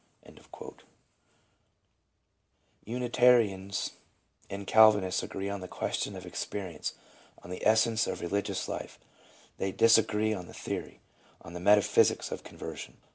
* Unitarians and Calvinists agree on the question of ex perience, on the essence of religious life; they disagree on the theory, on the metaphysics of conversion.